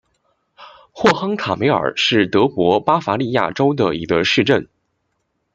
霍亨卡梅尔是德国巴伐利亚州的一个市镇。